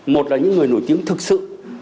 một là những người nổi tiếng thực sự